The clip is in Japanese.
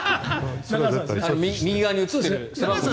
右側に映ってる。